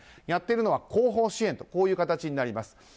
やっているのは後方支援という形になります。